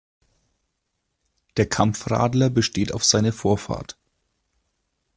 Der Kampfradler besteht auf seine Vorfahrt.